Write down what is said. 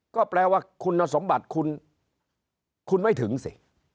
ก็แปลว่าคุณสมบัติคุณไม่ถึงสิ